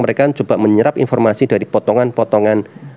mereka coba menyerap informasi dari potongan potongan